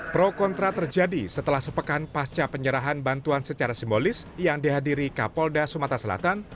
pro kontra terjadi setelah sepekan pasca penyerahan bantuan secara simbolis yang dihadiri kapolda sumatera selatan